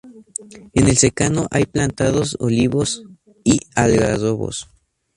En el secano hay plantados olivos y algarrobos.